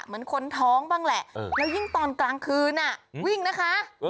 เหมือนคนท้องบ้างแหละแล้วยิ่งตอนกลางคืนวิ่งนะคะ